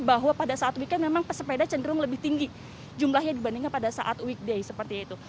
bahwa pada saat weekend memang pesepeda cenderung lebih tinggi jumlahnya dibandingkan pada saat weekday seperti itu